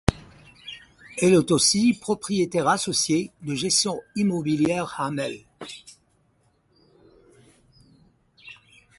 Elle est aussi propriétaire associée de Gestion immobilière Hamel.